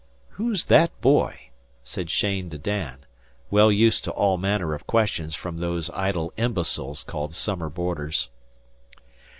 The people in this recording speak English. "Who's that boy?" said Cheyne to Dan, well used to all manner of questions from those idle imbeciles called summer boarders.